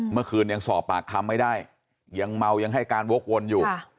เมื่อคืนยังสอบปากคำไม่ได้ยังเมายังให้การวกวนอยู่